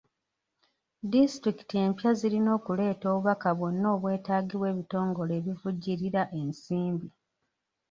Disitulikiti empya zirina okuleeta obubaka bwonna obwetagibwa ebitongole ebivujjirira ensmbi.